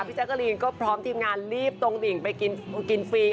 พี่จักรีนก็พร้อมทีมงานรีบตรงหลิงไปกินฟรี